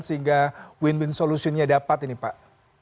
sehingga win win solutionnya dapat ini pak